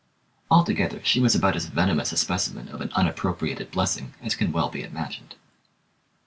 Altogether, she was about as venomous a specimen of an unappropriated blessing as can well be imagined.